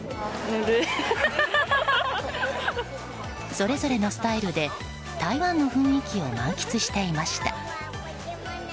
それぞれのスタイルで台湾の雰囲気を満喫していました。